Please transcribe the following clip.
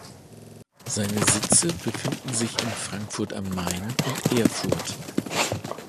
Seine Sitze befinden sich in Frankfurt am Main und Erfurt.